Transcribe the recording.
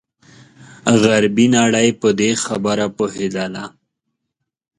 غربي نړۍ په دې خبره پوهېدله.